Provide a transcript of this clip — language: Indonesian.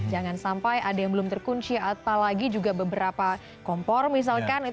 jangan sampai ada yang belum terkunci apalagi juga beberapa kompor misalkan